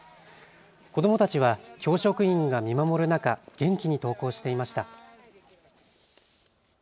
子どもたちは教職員が見守る中、元気に登校していました。